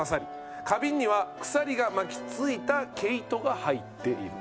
花瓶には鎖が巻き付いた毛糸が入っている。